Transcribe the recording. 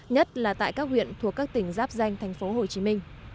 nhất là tại các huyện thuộc các tỉnh giáp danh tp hcm